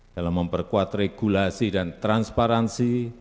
dalam memperkuat regulasi dan transparansi